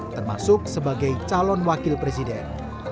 termasuk sebagai calon wakil presiden